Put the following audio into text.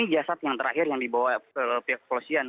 jasad yang terakhir yang dibawa ke pihak kepolisian